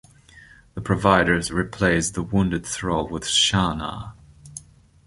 The Providers replace the wounded Thrall with Shahna.